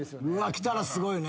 きたらすごいね。